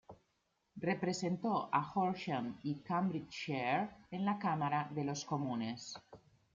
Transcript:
Representó a Horsham y Cambridgeshire en la Cámara de los Comunes.